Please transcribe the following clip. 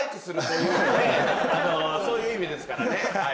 あのそういう意味ですからね。